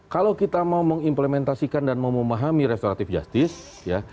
kalau kita mau mengimplementasikan dan memahami restoratif justice